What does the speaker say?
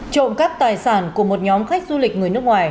trộm cắp tài sản của một nhóm khách du lịch người nước ngoài